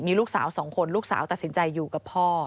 มีลูกสาว๒คนลูกสาวตัดสินใจอยู่กับพ่อ